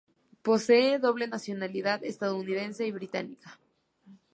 Posee doble nacionalidad estadounidense y británica.